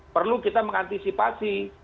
perlu kita mengantisipasi